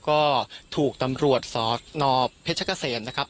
ก็ถูกตำรวจสนเพชรเกษมนะครับ